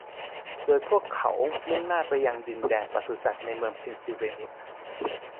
โดยพวกเขามุ่งหน้าไปยังดินแดนปศุสัตว์ในเมืองเพนซิลเวเนีย